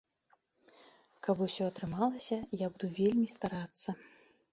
Каб усё атрымалася, я буду вельмі старацца.